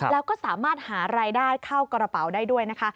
แล้วก็สามารถหารายได้เข้ากระเป๋าได้ด้วยนะคะ